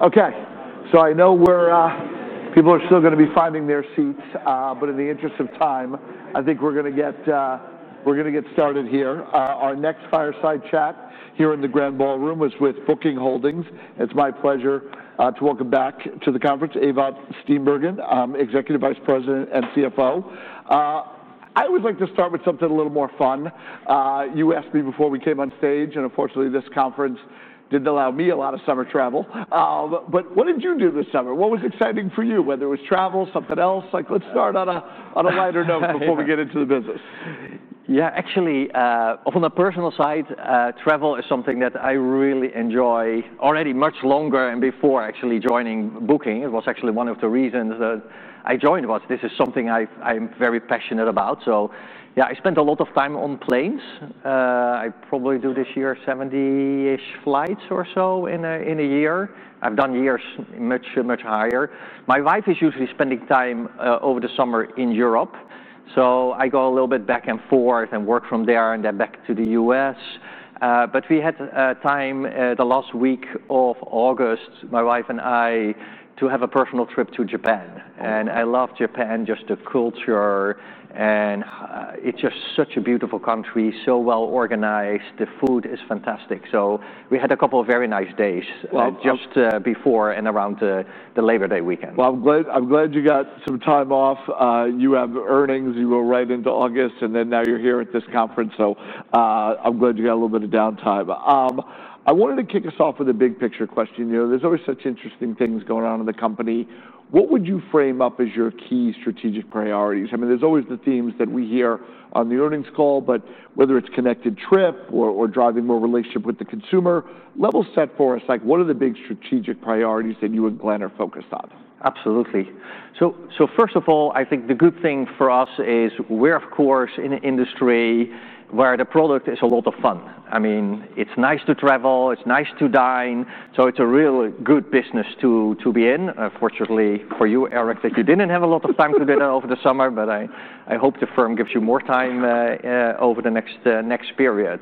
Okay, so I know we're, people are still going to be finding their seats, but in the interest of time, I think we're going to get started here. Our next fireside chat here in the Grand Ballroom is with Booking Holdings. It's my pleasure to welcome back to the conference Ewout Steenbergen, Executive Vice President and CFO. I always like to start with something a little more fun. You asked me before we came on stage, and unfortunately, this conference didn't allow me a lot of summer travel. What did you do this summer? What was exciting for you? Whether it was travel, something else? Let's start on a lighter note before we get into the business. Yeah, actually, on a personal side, travel is something that I really enjoy already much longer than before actually joining Booking Holdings. It was actually one of the reasons that I joined was this is something I'm very passionate about. Yeah, I spent a lot of time on planes. I probably do this year 70-ish flights or so in a year. I've done years much, much higher. My wife is usually spending time over the summer in Europe. I go a little bit back and forth and work from there and then back to the U.S. We had time the last week of August, my wife and I, to have a personal trip to Japan. I love Japan, just the culture, and it's just such a beautiful country, so well organized. The food is fantastic. We had a couple of very nice days just before and around the Labor Day weekend. I'm glad you got some time off. You have earnings, you go right into August, and now you're here at this conference. I'm glad you got a little bit of downtime. I wanted to kick us off with a big picture question. You know, there's always such interesting things going on in the company. What would you frame up as your key strategic priorities? I mean, there's always the themes that we hear on the earnings call, but whether it's connected trip or driving more relationship with the consumer, level set for us, like what are the big strategic priorities that you and Glenn are focused on? Absolutely. First of all, I think the good thing for us is we're, of course, in an industry where the product is a lot of fun. I mean, it's nice to travel, it's nice to dine. It's a real good business to be in. Unfortunately for you, Eric, that you didn't have a lot of time to do that over the summer, but I hope the firm gives you more time over the next period.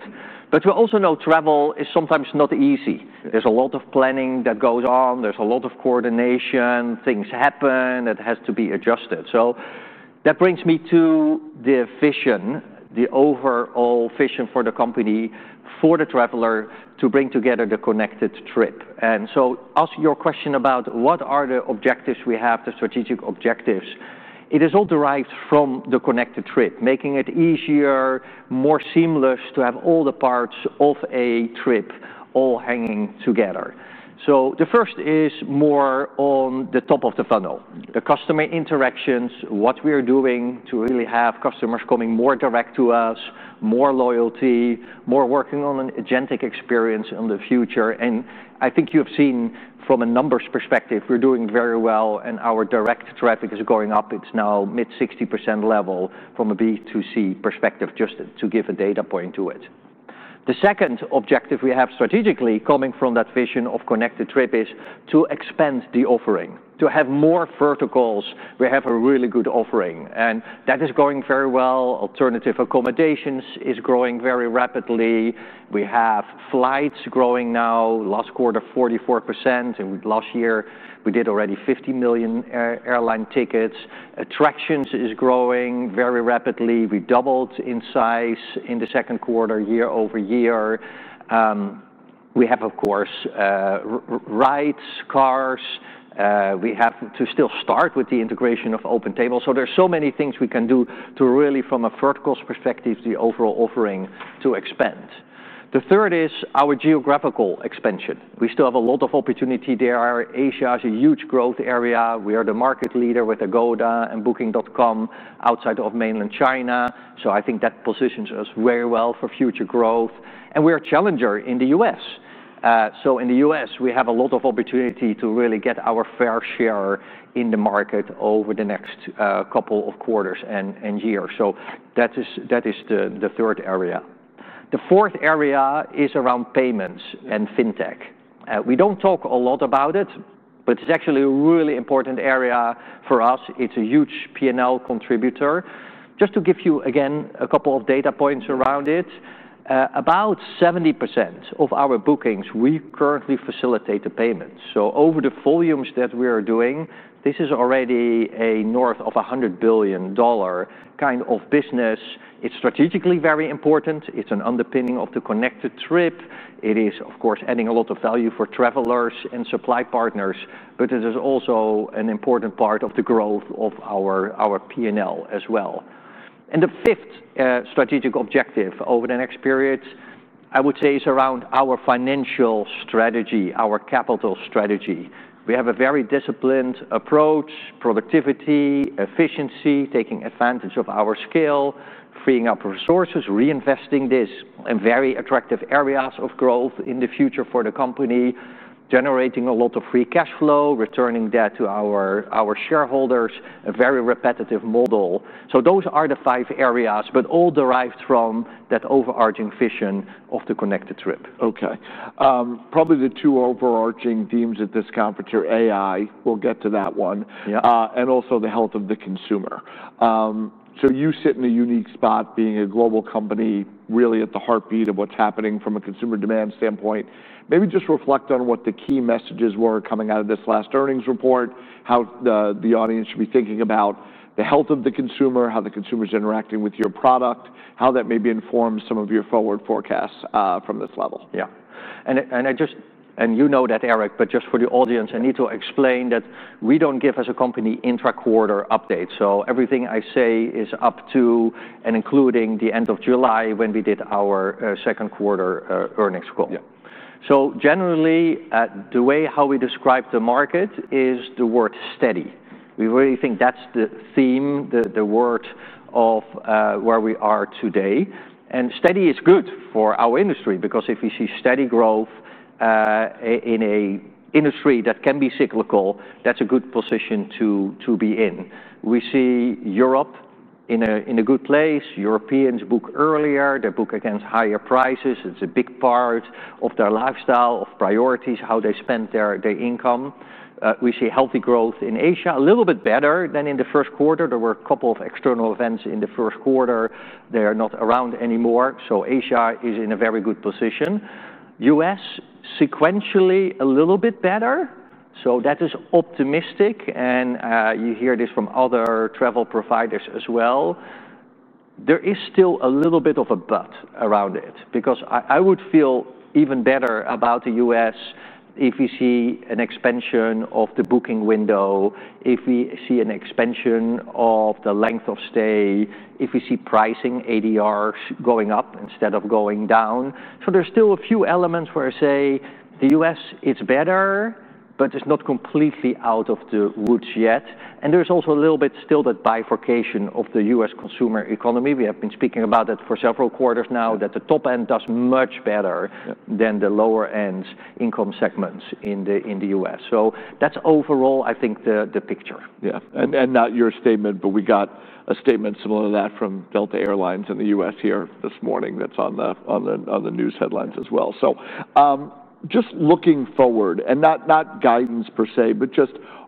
We also know travel is sometimes not easy. There's a lot of planning that goes on. There's a lot of coordination. Things happen that have to be adjusted. That brings me to the vision, the overall vision for the company, for the traveler to bring together the connected trip. To ask your question about what are the objectives we have, the strategic objectives, it is all derived from the connected trip, making it easier, more seamless to have all the parts of a trip all hanging together. The first is more on the top of the funnel, the customer interactions, what we are doing to really have customers coming more direct to us, more loyalty, more working on an agentic experience in the future. I think you've seen from a numbers perspective, we're doing very well and our direct traffic is going up. It's now mid 60% level from a B2C perspective, just to give a data point to it. The second objective we have strategically coming from that vision of connected trip is to expand the offering, to have more verticals. We have a really good offering and that is going very well. Alternative accommodations is growing very rapidly. We have flights growing now. Last quarter, 44%, and last year we did already 50 million airline tickets. Attractions are growing very rapidly. We doubled in size in the second quarter, year over year. We have, of course, rides, cars. We have to still start with the integration of OpenTable. There are so many things we can do to really, from a vertical perspective, the overall offering to expand. The third is our geographical expansion. We still have a lot of opportunity there. Asia is a huge growth area. We are the market leader with Agoda and Booking.com outside of mainland China. I think that positions us very well for future growth. We're a challenger in the U.S., so in the U.S., we have a lot of opportunity to really get our fair share in the market over the next couple of quarters and years. That is the third area. The fourth area is around payments and fintech. We don't talk a lot about it, but it's actually a really important area for us. It's a huge P&L contributor. Just to give you again a couple of data points around it, about 70% of our bookings, we currently facilitate the payments. Over the volumes that we are doing, this is already north of a $100 billion kind of business. It's strategically very important. It's an underpinning of the connected trip. It is, of course, adding a lot of value for travelers and supply partners, but it is also an important part of the growth of our P&L as well. The fifth strategic objective over the next period, I would say, is around our financial strategy, our capital strategy. We have a very disciplined approach, productivity, efficiency, taking advantage of our skill, freeing up resources, reinvesting this in very attractive areas of growth in the future for the company, generating a lot of free cash flow, returning that to our shareholders, a very repetitive model. Those are the five areas, all derived from that overarching vision of the connected trip. Okay. Probably the two overarching themes at this conference are AI, we'll get to that one, and also the health of the consumer. You sit in a unique spot being a global company, really at the heartbeat of what's happening from a consumer demand standpoint. Maybe just reflect on what the key messages were coming out of this last earnings report, how the audience should be thinking about the health of the consumer, how the consumer is interacting with your product, how that maybe informs some of your forward forecasts from this level. Yeah. You know that, Eric, but just for the audience, I need to explain that we don't give as a company intra-quarter updates. Everything I say is up to and including the end of July when we did our second quarter earnings call. Generally, the way we describe the market is the word steady. We really think that's the theme, the word of where we are today. Steady is good for our industry because if we see steady growth in an industry that can be cyclical, that's a good position to be in. We see Europe in a good place. Europeans book earlier, they book against higher prices. It's a big part of their lifestyle, of priorities, how they spend their income. We see healthy growth in Asia, a little bit better than in the first quarter. There were a couple of external events in the first quarter. They're not around anymore. Asia is in a very good position. The U.S., sequentially a little bit better. That is optimistic. You hear this from other travel providers as well. There is still a little bit of a but around it because I would feel even better about the U.S. if we see an expansion of the booking window, if we see an expansion of the length of stay, if we see pricing ADRs going up instead of going down. There are still a few elements where I say the U.S. is better, but it's not completely out of the woods yet. There is also a little bit still that bifurcation of the U.S. consumer economy. We have been speaking about that for several quarters now, that the top end does much better than the lower end income segments in the U.S. That's overall, I think, the picture. Yeah. Not your statement, but we got a statement similar to that from Delta Airlines in the U.S. here this morning that's on the news headlines as well. Just looking forward, and not guidance per se, but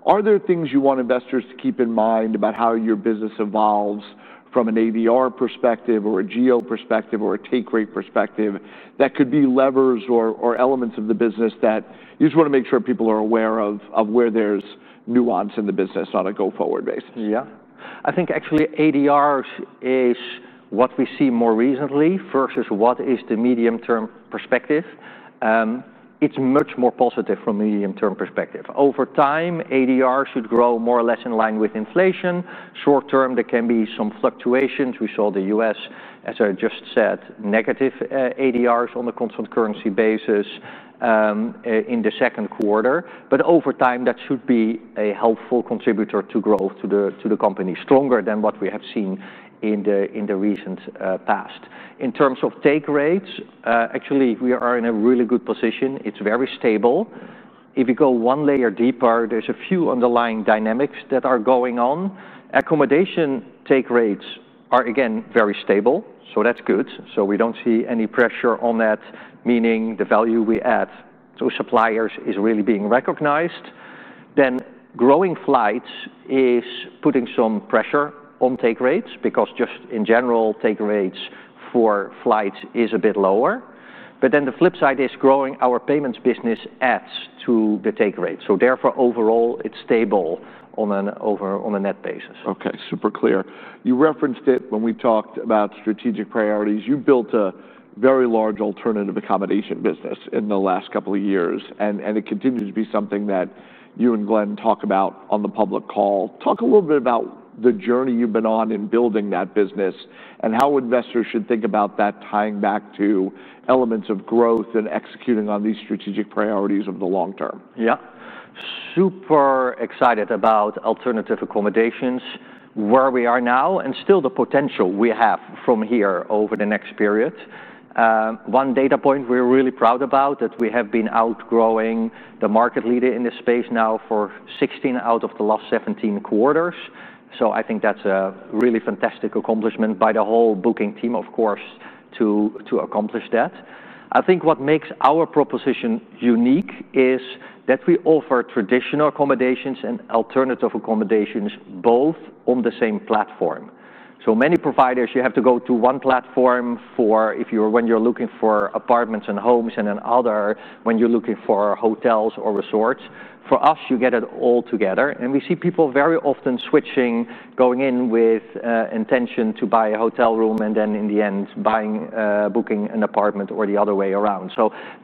are there things you want investors to keep in mind about how your business evolves from an ADR perspective or a GO perspective or a take rate perspective that could be levers or elements of the business that you just want to make sure people are aware of where there's nuance in the business on a go-forward basis? Yeah. I think actually ADR is what we see more recently versus what is the medium-term perspective. It's much more positive from a medium-term perspective. Over time, ADR should grow more or less in line with inflation. Short term, there can be some fluctuations. We saw the U.S., as I just said, negative ADRs on a constant currency basis, in the second quarter. Over time, that should be a helpful contributor to growth to the company, stronger than what we have seen in the recent past. In terms of take rates, actually, we are in a really good position. It's very stable. If you go one layer deeper, there's a few underlying dynamics that are going on. Accommodation take rates are again very stable, so that's good. We don't see any pressure on that, meaning the value we add to suppliers is really being recognized. Growing flights is putting some pressure on take rates because just in general, take rates for flights are a bit lower. The flip side is growing our payments business adds to the take rate. Therefore, overall, it's stable on a net basis. Okay, super clear. You referenced it when we talked about strategic priorities. You built a very large alternative accommodation business in the last couple of years, and it continues to be something that you and Glenn talk about on the public call. Talk a little bit about the journey you've been on in building that business and how investors should think about that tying back to elements of growth and executing on these strategic priorities over the long term. Yeah. Super excited about alternative accommodations, where we are now, and still the potential we have from here over the next period. One data point we're really proud about is that we have been outgrowing the market leader in this space now for 16 out of the last 17 quarters. I think that's a really fantastic accomplishment by the whole Booking Holdings team, of course, to accomplish that. I think what makes our proposition unique is that we offer traditional accommodations and alternative accommodations both on the same platform. Many providers require you to go to one platform when you're looking for apartments and homes and another when you're looking for hotels or resorts. For us, you get it all together. We see people very often switching, going in with an intention to buy a hotel room and then in the end booking an apartment or the other way around.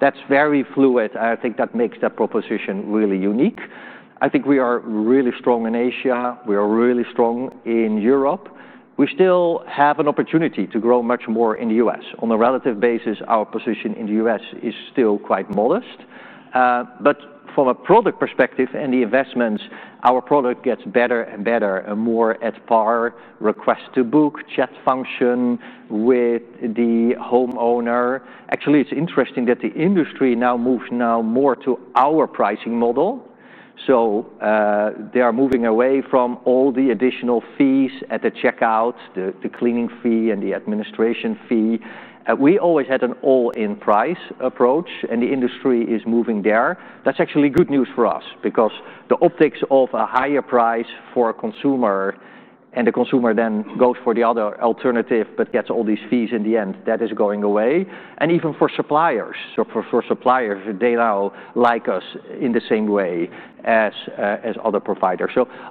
That's very fluid. I think that makes that proposition really unique. I think we are really strong in Asia. We are really strong in Europe. We still have an opportunity to grow much more in the U.S. On a relative basis, our position in the U.S. is still quite modest. From a product perspective and the investments, our product gets better and better and more at par request to book chat function with the homeowner. Actually, it's interesting that the industry now moves more to our pricing model. They are moving away from all the additional fees at the checkout, the cleaning fee, and the administration fee. We always had an all-in price approach, and the industry is moving there. That's actually good news for us because the optics of a higher price for a consumer and the consumer then goes for the other alternative but gets all these fees in the end, that is going away. Even for suppliers, so for suppliers, they now like us in the same way as other providers.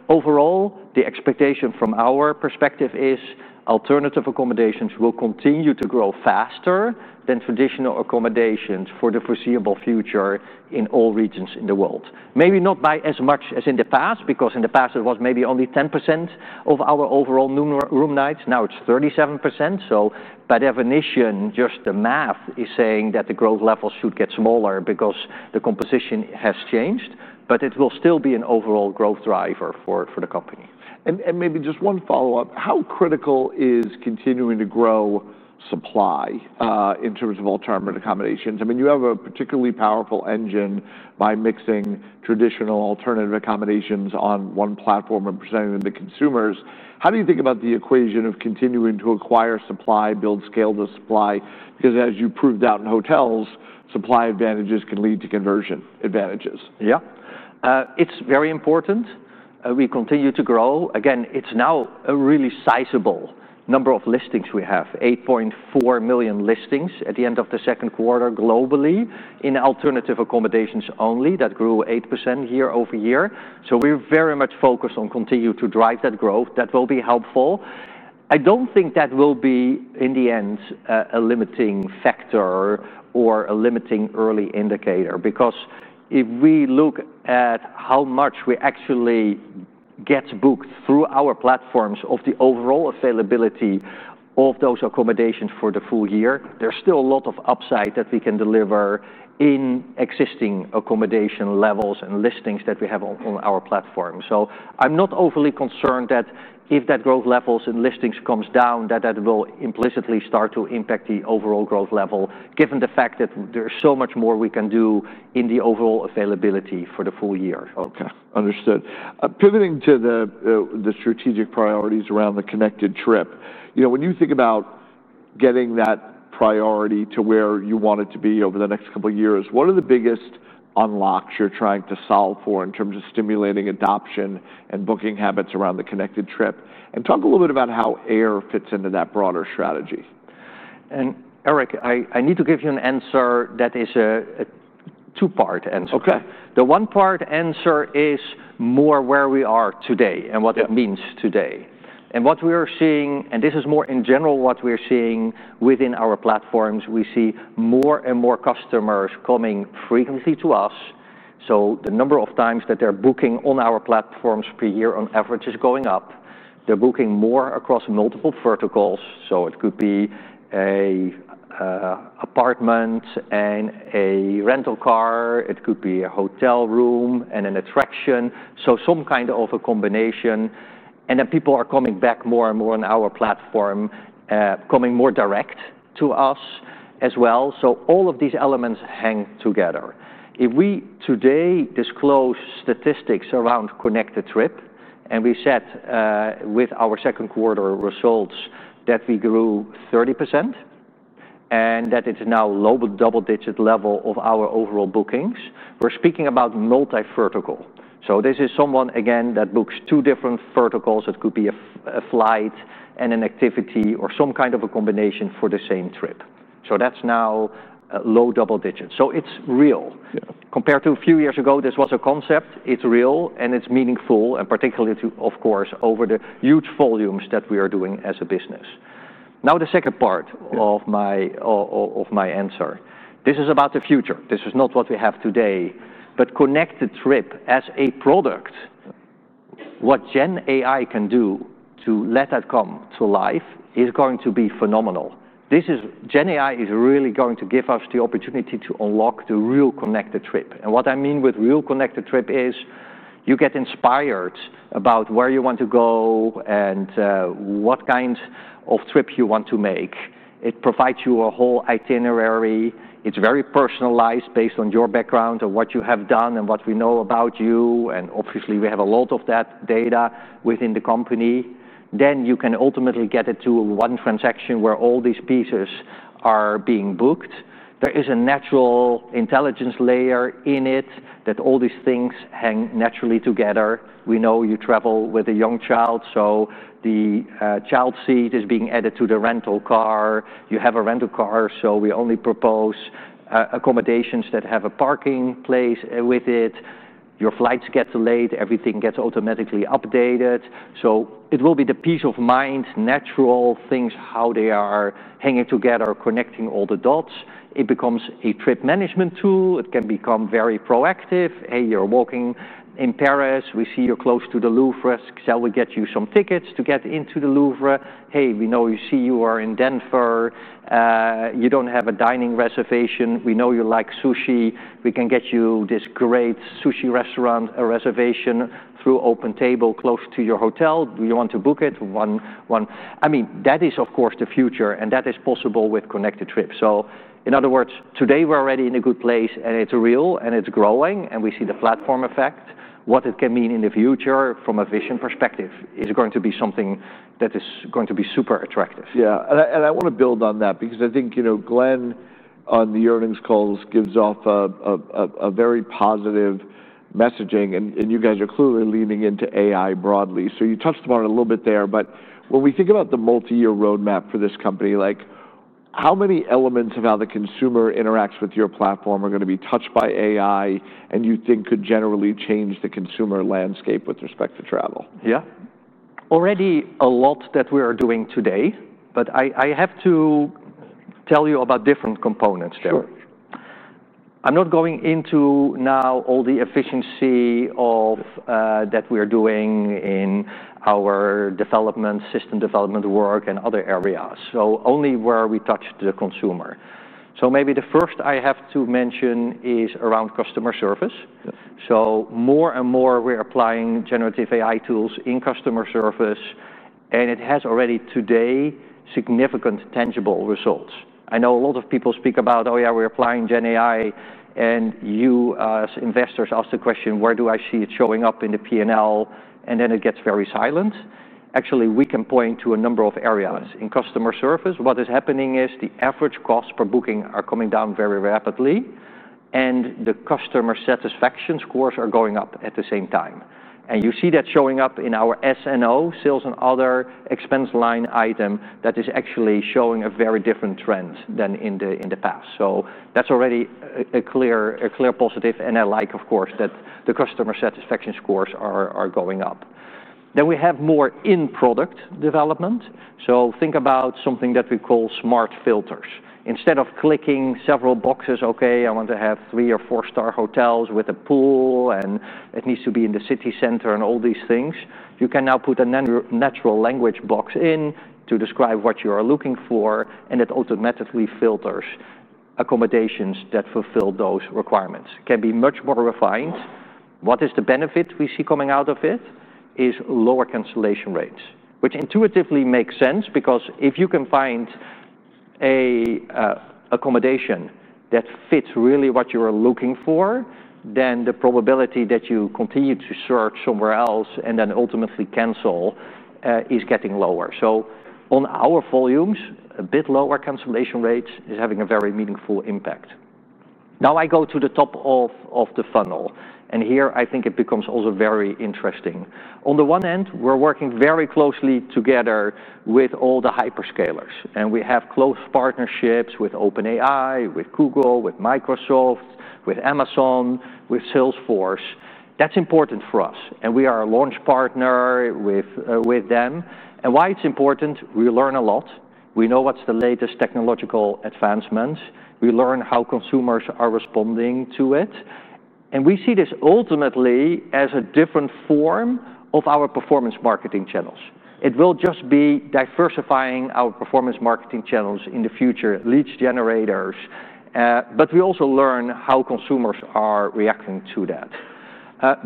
Overall, the expectation from our perspective is alternative accommodations will continue to grow faster than traditional accommodations for the foreseeable future in all regions in the world. Maybe not by as much as in the past because in the past it was maybe only 10% of our overall room nights. Now it's 37%. By definition, just the math is saying that the growth levels should get smaller because the composition has changed, but it will still be an overall growth driver for the company. Maybe just one follow-up. How critical is continuing to grow supply in terms of alternative accommodations? You have a particularly powerful engine by mixing traditional and alternative accommodations on one platform and presenting them to consumers. How do you think about the equation of continuing to acquire supply and build scale to supply? As you proved out in hotels, supply advantages can lead to conversion advantages. Yeah, it's very important. We continue to grow. Again, it's now a really sizable number of listings. We have 8.4 million listings at the end of the second quarter globally in alternative accommodations only. That grew 8% year over year. We're very much focused on continuing to drive that growth. That will be helpful. I don't think that will be, in the end, a limiting factor or a limiting early indicator because if we look at how much we actually get booked through our platforms of the overall availability of those accommodations for the full year, there's still a lot of upside that we can deliver in existing accommodation levels and listings that we have on our platform. I'm not overly concerned that if that growth levels and listings come down, that that will implicitly start to impact the overall growth level, given the fact that there's so much more we can do in the overall availability for the full year. Okay, understood. Pivoting to the strategic priorities around the connected trip, when you think about getting that priority to where you want it to be over the next couple of years, what are the biggest unlocks you're trying to solve for in terms of stimulating adoption and booking habits around the connected trip? Talk a little bit about how air fits into that broader strategy. Eric, I need to give you an answer that is a two-part answer. Okay. The one-part answer is more where we are today and what it means today. What we are seeing, and this is more in general what we're seeing within our platforms, we see more and more customers coming frequently to us. The number of times that they're booking on our platforms per year on average is going up. They're booking more across multiple verticals. It could be an apartment and a rental car. It could be a hotel room and an attraction, some kind of a combination. People are coming back more and more on our platform, coming more direct to us as well. All of these elements hang together. If we today disclose statistics around connected trip, and we said with our second quarter results that we grew 30% and that it's now a low but double-digit level of our overall bookings, we're speaking about multi-vertical. This is someone, again, that books two different verticals. It could be a flight and an activity or some kind of a combination for the same trip. That's now a low double digit. It's real. Compared to a few years ago, this was a concept. It's real and it's meaningful, particularly, of course, over the huge volumes that we are doing as a business. Now the second part of my answer, this is about the future. This is not what we have today, but connected trip as a product. What generative AI can do to let that come to life is going to be phenomenal. Generative AI is really going to give us the opportunity to unlock the real connected trip. What I mean with real connected trip is you get inspired about where you want to go and what kind of trip you want to make. It provides you a whole itinerary. It's very personalized based on your background and what you have done and what we know about you. Obviously, we have a lot of that data within the company. You can ultimately get it to one transaction where all these pieces are being booked. There is a natural intelligence layer in it that all these things hang naturally together. We know you travel with a young child, so the child seat is being added to the rental car. You have a rental car, so we only propose accommodations that have a parking place with it. Your flights get delayed, everything gets automatically updated. It will be the peace of mind, natural things, how they are hanging together, connecting all the dots. It becomes a trip management tool. It can become very proactive. Hey, you're walking in Paris. We see you're close to the Louvre. Shall we get you some tickets to get into the Louvre? Hey, we know you are in Denver. You don't have a dining reservation. We know you like sushi. We can get you this great sushi restaurant reservation through OpenTable close to your hotel. Do you want to book it? That is, of course, the future, and that is possible with connected trips. In other words, today we're already in a good place, and it's real, and it's growing, and we see the platform effect. What it can mean in the future from a vision perspective is going to be something that is going to be super attractive. Yeah, I want to build on that because I think, you know, Glenn on the earnings calls gives off a very positive messaging, and you guys are clearly leaning into AI broadly. You touched upon it a little bit there, but when we think about the multi-year roadmap for this company, like how many elements of how the consumer interacts with your platform are going to be touched by AI and you think could generally change the consumer landscape with respect to travel? Yeah. Already a lot that we are doing today, but I have to tell you about different components there. I'm not going into now all the efficiency that we are doing in our development, system development work, and other areas. Only where we touch the consumer. Maybe the first I have to mention is around customer service. More and more we're applying generative AI tools in customer service, and it has already today significant tangible results. I know a lot of people speak about, oh yeah, we're applying Gen AI, and you as investors ask the question, where do I see it showing up in the P&L? It gets very silent. Actually, we can point to a number of areas. In customer service, what is happening is the average costs per booking are coming down very rapidly, and the customer satisfaction scores are going up at the same time. You see that showing up in our S&O, sales and other expense line item that is actually showing a very different trend than in the past. That's already a clear positive, and I like, of course, that the customer satisfaction scores are going up. We have more in-product development. Think about something that we call smart filters. Instead of clicking several boxes, okay, I want to have three or four-star hotels with a pool, and it needs to be in the city center and all these things. You can now put a natural language box in to describe what you are looking for, and it automatically filters accommodations that fulfill those requirements. It can be much more refined. What is the benefit we see coming out of it is lower cancellation rates, which intuitively makes sense because if you can find an accommodation that fits really what you are looking for, then the probability that you continue to search somewhere else and then ultimately cancel is getting lower. On our volumes, a bit lower cancellation rates is having a very meaningful impact. Now I go to the top of the funnel, and here I think it becomes also very interesting. On the one end, we're working very closely together with all the hyperscalers, and we have close partnerships with OpenAI, with Google, with Microsoft, with Amazon, with Salesforce. That's important for us, and we are a launch partner with them. Why it's important, we learn a lot. We know what's the latest technological advancements. We learn how consumers are responding to it. We see this ultimately as a different form of our performance marketing channels. It will just be diversifying our performance marketing channels in the future, lead generators. We also learn how consumers are reacting to that.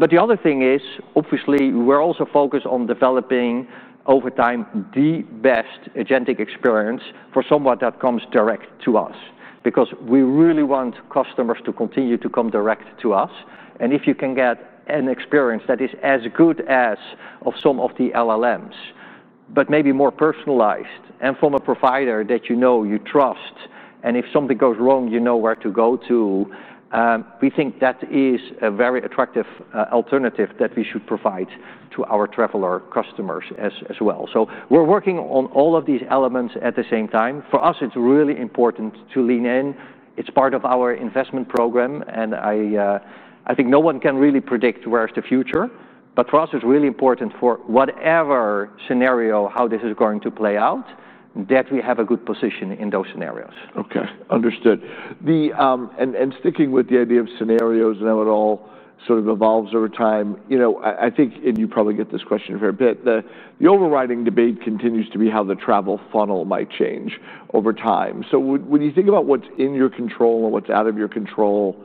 The other thing is, obviously, we're also focused on developing over time the best agentic experience for someone that comes direct to us because we really want customers to continue to come direct to us. If you can get an experience that is as good as some of the LLMs, but maybe more personalized and from a provider that you know, you trust, and if something goes wrong, you know where to go to, we think that is a very attractive alternative that we should provide to our traveler customers as well. We're working on all of these elements at the same time. For us, it's really important to lean in. It's part of our investment program, and I think no one can really predict where the future is. For us, it's really important for whatever scenario, how this is going to play out, that we have a good position in those scenarios. Okay, understood. Sticking with the idea of scenarios now, it all sort of evolves over time. I think, and you probably get this question a fair bit, the overriding debate continues to be how the travel funnel might change over time. When you think about what's in your control and what's out of your control,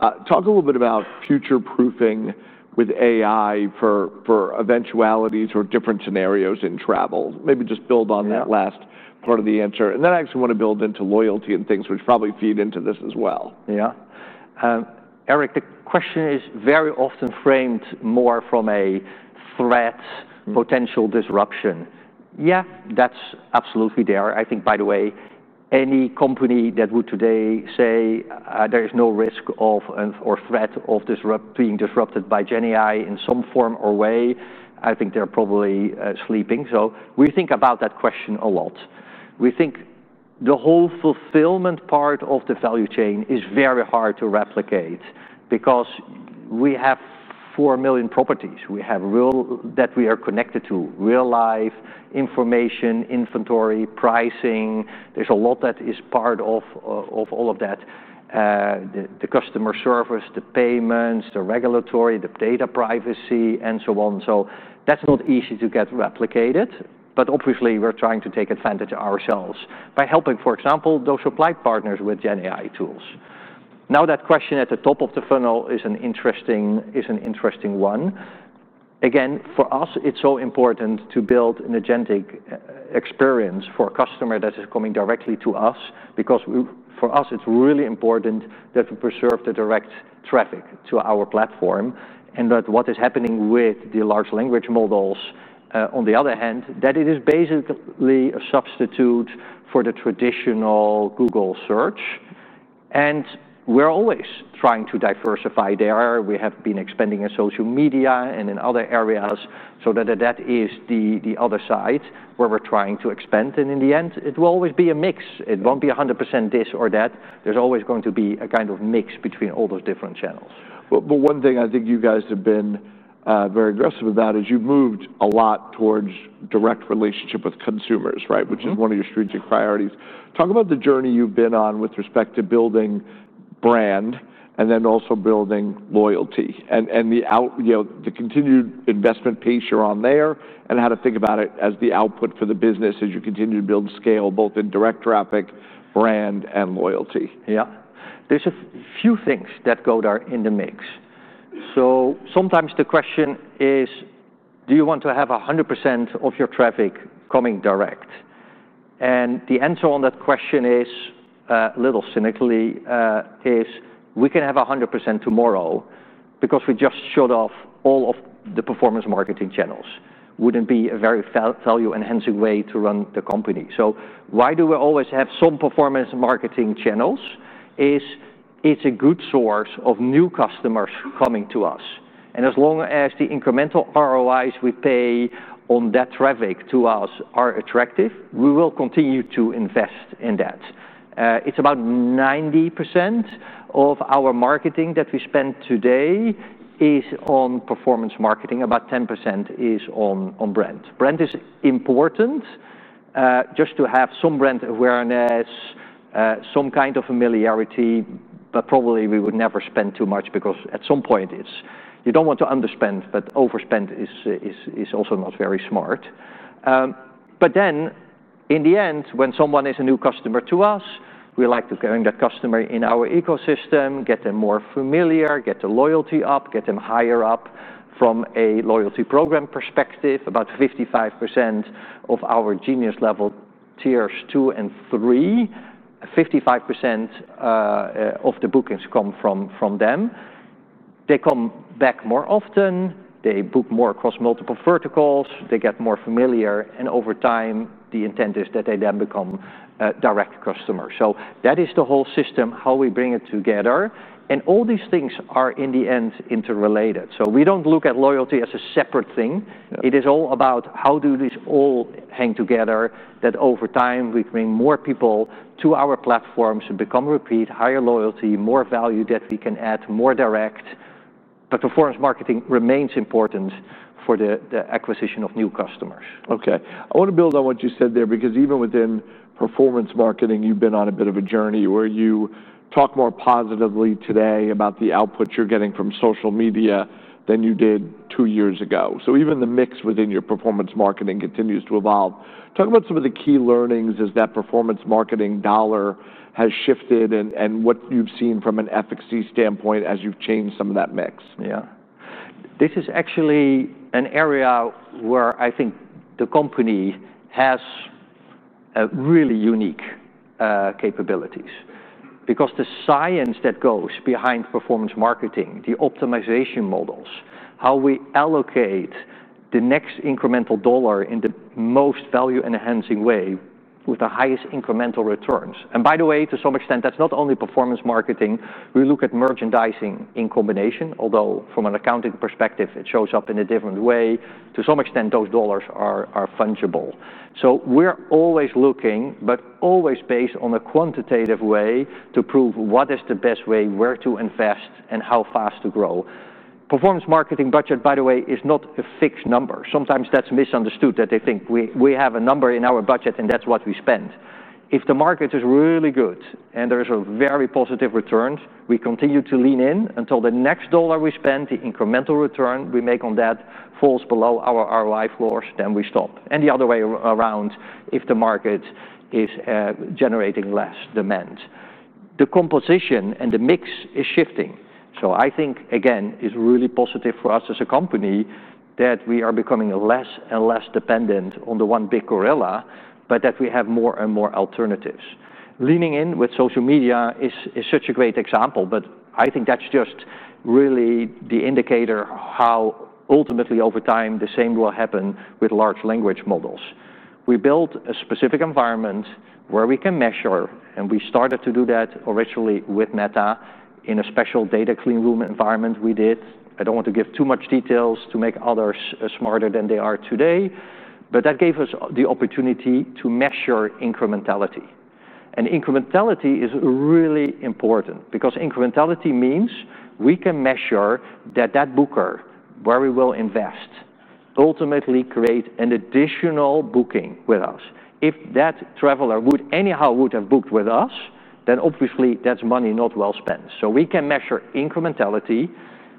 talk a little bit about future proofing with AI for eventualities or different scenarios in travel. Maybe just build on that last part of the answer. I actually want to build into loyalty and things which probably feed into this as well. Yeah. Eric, the question is very often framed more from a threat, potential disruption. Yeah, that's absolutely there. By the way, any company that would today say there is no risk of or threat of being disrupted by Gen AI in some form or way, I think they're probably sleeping. We think about that question a lot. We think the whole fulfillment part of the value chain is very hard to replicate because we have 4 million properties. We have real that we are connected to, real life, information, inventory, pricing. There's a lot that is part of all of that. The customer service, the payments, the regulatory, the data privacy, and so on. That's not easy to get replicated. Obviously, we're trying to take advantage of ourselves by helping, for example, those supply partners with Gen AI tools. That question at the top of the funnel is an interesting one. For us, it's so important to build an agentic experience for a customer that is coming directly to us because for us, it's really important that we preserve the direct traffic to our platform and that what is happening with the large language models, on the other hand, that it is basically a substitute for the traditional Google search. We're always trying to diversify there. We have been expanding in social media and in other areas. That is the other side where we're trying to expand. In the end, it will always be a mix. It won't be 100% this or that. There's always going to be a kind of mix between all those different channels. I think you guys have been very aggressive about this. You've moved a lot towards direct relationship with consumers, right? Which is one of your strategic priorities. Talk about the journey you've been on with respect to building brand and then also building loyalty and the continued investment pace you're on there, and how to think about it as the output for the business as you continue to build scale both in direct traffic, brand, and loyalty. Yeah. There are a few things that go there in the mix. Sometimes the question is, do you want to have 100% of your traffic coming direct? The answer on that question is, a little cynically, we can have 100% tomorrow because we just shut off all of the performance marketing channels. It wouldn't be a very value-enhancing way to run the company. Why do we always have some performance marketing channels? It's a good source of new customers coming to us, and as long as the incremental ROIs we pay on that traffic to us are attractive, we will continue to invest in that. It's about 90% of our marketing that we spend today is on performance marketing. About 10% is on brand. Brand is important just to have some brand awareness, some kind of familiarity, but probably we would never spend too much because at some point you don't want to underspend, but overspend is also not very smart. In the end, when someone is a new customer to us, we like to bring that customer in our ecosystem, get them more familiar, get the loyalty up, get them higher up from a loyalty program perspective. About 55% of our Genius level tiers two and three, 55% of the bookings come from them. They come back more often. They book more across multiple verticals. They get more familiar, and over time, the intent is that they then become direct customers. That is the whole system, how we bring it together. All these things are in the end interrelated. We don't look at loyalty as a separate thing. It is all about how these all hang together that over time we bring more people to our platforms and become repeat, higher loyalty, more value that we can add, more direct. Performance marketing remains important for the acquisition of new customers. Okay. I want to build on what you said there because even within performance marketing, you've been on a bit of a journey where you talk more positively today about the output you're getting from social media than you did two years ago. Even the mix within your performance marketing continues to evolve. Talk about some of the key learnings as that performance marketing dollar has shifted and what you've seen from an FXC standpoint as you've changed some of that mix. Yeah. This is actually an area where I think the company has really unique capabilities because the science that goes behind performance marketing, the optimization models, how we allocate the next incremental dollar in the most value-enhancing way with the highest incremental returns. By the way, to some extent, that's not only performance marketing. We look at merchandising in combination, although from an accounting perspective, it shows up in a different way. To some extent, those dollars are fungible. We're always looking, but always based on a quantitative way to prove what is the best way, where to invest, and how fast to grow. Performance marketing budget, by the way, is not a fixed number. Sometimes that's misunderstood that they think we have a number in our budget and that's what we spend. If the market is really good and there's a very positive return, we continue to lean in until the next dollar we spend, the incremental return we make on that falls below our ROI floors, then we stop. The other way around, if the market is generating less demand, the composition and the mix is shifting. I think, again, it's really positive for us as a company that we are becoming less and less dependent on the one big gorilla, but that we have more and more alternatives. Leaning in with social media is such a great example, but I think that's just really the indicator how ultimately over time the same will happen with large language models. We built a specific environment where we can measure, and we started to do that originally with Meta in a special data clean room environment we did. I don't want to give too much details to make others smarter than they are today, but that gave us the opportunity to measure incrementality. Incrementality is really important because incrementality means we can measure that that booker where we will invest ultimately creates an additional booking with us. If that traveler would anyhow have booked with us, then obviously that's money not well spent. We can measure incrementality.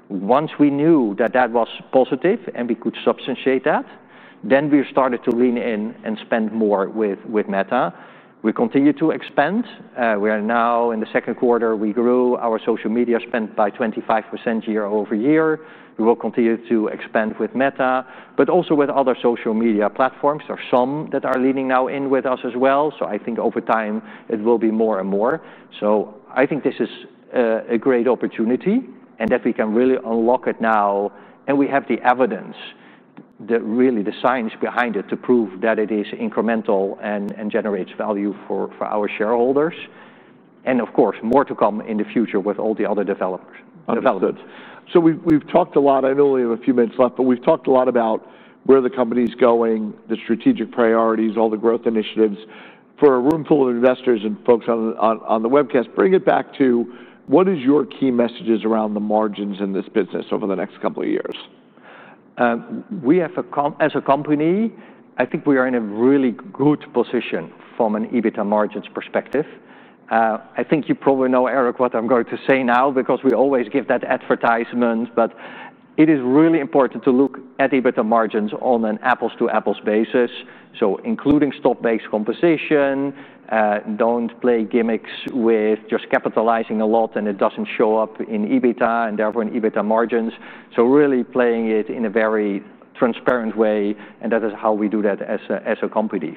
Once we knew that that was positive and we could substantiate that, then we started to lean in and spend more with Meta. We continue to expand. We are now in the second quarter. We grew our social media spend by 25% year over year. We will continue to expand with Meta, but also with other social media platforms. There are some that are leaning now in with us as well. I think over time it will be more and more. I think this is a great opportunity and that we can really unlock it now. We have the evidence, really the science behind it to prove that it is incremental and generates value for our shareholders. Of course, more to come in the future with all the other developments. We have talked a lot. I know we have a few minutes left, but we have talked a lot about where the company is going, the strategic priorities, all the growth initiatives. For a room full of investors and folks on the webcast, bring it back to what are your key messages around the margins in this business over the next couple of years? We have a, as a company, I think we are in a really good position from an EBITDA margins perspective. I think you probably know, Eric, what I'm going to say now because we always give that advertisement, but it is really important to look at EBITDA margins on an apples-to-apples basis. Including stock-based compensation, don't play gimmicks with just capitalizing a lot and it doesn't show up in EBITDA and therefore in EBITDA margins. Really playing it in a very transparent way, and that is how we do that as a company.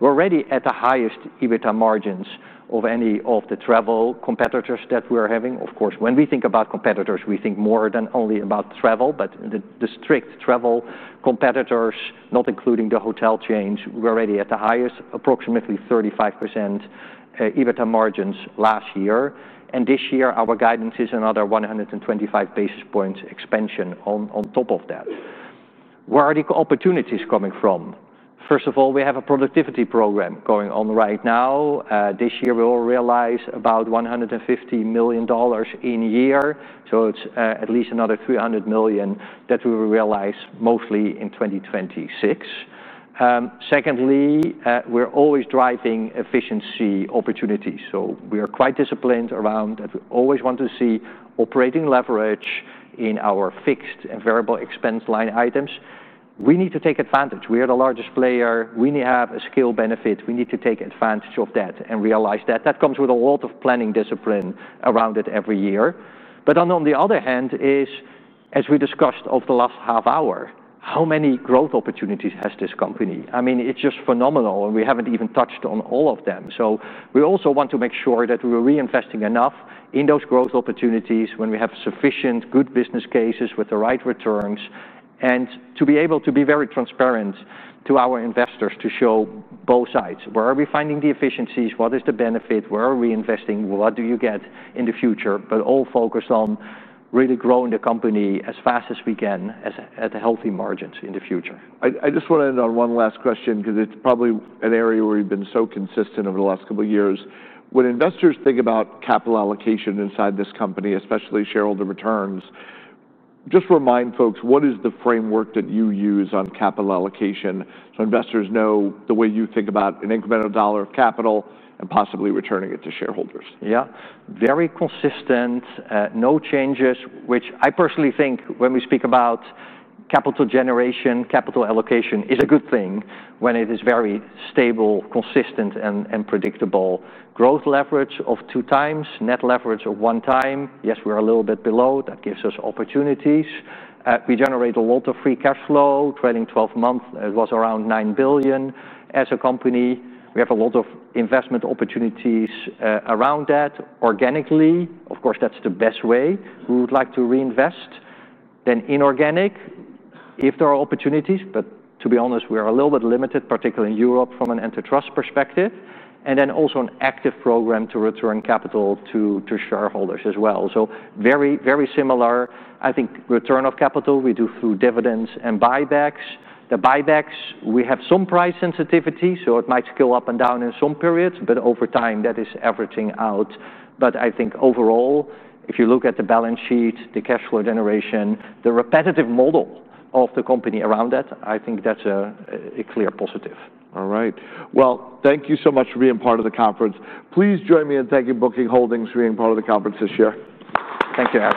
We're already at the highest EBITDA margins of any of the travel competitors that we're having. Of course, when we think about competitors, we think more than only about travel, but the strict travel competitors, not including the hotel chains, we're already at the highest, approximately 35% EBITDA margins last year. This year, our guidance is another 125 basis points expansion on top of that. Where are the opportunities coming from? First of all, we have a productivity program going on right now. This year, we'll realize about $150 million in a year. It's at least another $300 million that we will realize mostly in 2026. Secondly, we're always driving efficiency opportunities. We are quite disciplined around that. We always want to see operating leverage in our fixed and variable expense line items. We need to take advantage. We are the largest player. We need to have a scale benefit. We need to take advantage of that and realize that. That comes with a lot of planning discipline around it every year. On the other hand, as we discussed over the last half hour, how many growth opportunities has this company? I mean, it's just phenomenal, and we haven't even touched on all of them. We also want to make sure that we're reinvesting enough in those growth opportunities when we have sufficient good business cases with the right returns and to be able to be very transparent to our investors to show both sides. Where are we finding the efficiencies? What is the benefit? Where are we investing? What do you get in the future? All focused on really growing the company as fast as we can at healthy margins in the future. I just want to end on one last question because it's probably an area where you've been so consistent over the last couple of years. When investors think about capital allocation inside this company, especially shareholder returns, just remind folks what is the framework that you use on capital allocation so investors know the way you think about an incremental dollar of capital and possibly returning it to shareholders. Yeah, very consistent, no changes, which I personally think when we speak about capital generation, capital allocation is a good thing when it is very stable, consistent, and predictable. Growth leverage of 2 times, net leverage of 1 time. Yes, we are a little bit below. That gives us opportunities. We generate a lot of free cash flow. Trailing twelve months, it was around $9 billion as a company. We have a lot of investment opportunities around that organically. Of course, that's the best way we would like to reinvest. Inorganic, if there are opportunities, but to be honest, we are a little bit limited, particularly in Europe from an enterprise perspective. There is also an active program to return capital to shareholders as well. Very, very similar. I think return of capital we do through dividends and buybacks. The buybacks, we have some price sensitivity, so it might scale up and down in some periods, but over time that is averaging out. Overall, if you look at the balance sheet, the cash flow generation, the repetitive model of the company around that, I think that's a clear positive. All right. Thank you so much for being part of the conference. Please join me in thanking Booking Holdings for being part of the conference this year. Thank you, Eric.